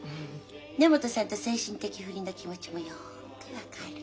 根本さんと精神的不倫の気持ちもよく分かる。